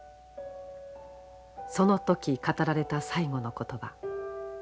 その時語られた最後の言葉。